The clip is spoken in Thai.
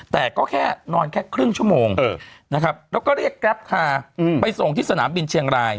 แต่ก็แค่นอนแค่ครึ่งชั่วโมงนะครับแล้วก็เรียกแกรปคาไปส่งที่สนามบินเชียงราย